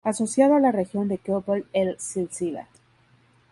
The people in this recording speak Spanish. Asociado a la región de "Gebel el-Silsila".